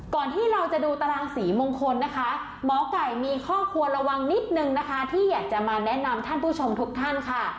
ที่เราจะดูตารางสีมงคลนะคะหมอไก่มีข้อควรระวังนิดนึงนะคะที่อยากจะมาแนะนำท่านผู้ชมทุกท่านค่ะ